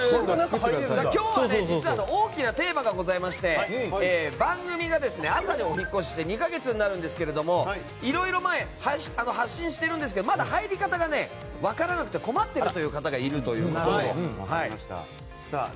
今日は、実は大きなテーマがございまして番組が朝にお引っ越しして２か月になるんですけどいろいろ発信しているんですけどまだ入り方が分からなくて困っている方がいるということでして。